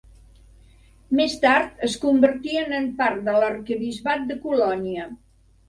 Més tard es convertien en part de l'Arquebisbat de Colònia.